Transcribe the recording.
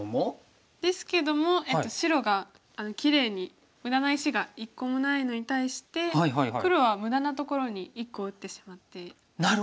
ですけども白がきれいに無駄な石が１個もないのに対して黒は無駄なところに１個打ってしまっているんですね。